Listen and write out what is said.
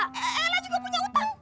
eh elah juga punya utang